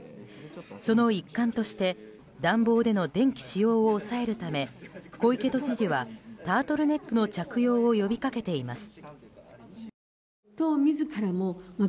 その一環として暖房での電気使用を抑えるため小池都知事はタートルネックの着用を呼びかけています。